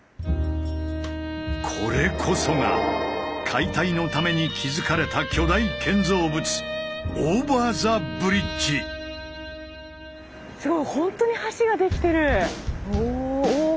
これこそが解体のために築かれた巨大建造物うわすごい！